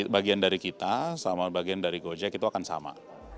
bagian dari kita sama bagian dari gojek itu akan sama